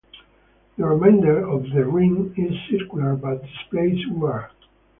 The remainder of the rim is circular but displays wear.